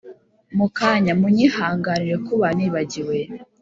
mukanya munyihanganire kuba nibagiwe